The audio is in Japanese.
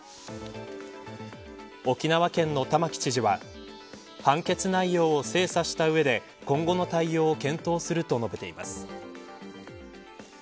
沖縄県の玉城知事は判決内容を精査した上で今後の対応を検討すると述べています。